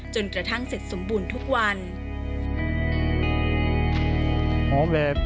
จนกระทั่งเสร็จสมบูรณ์ทุกวัน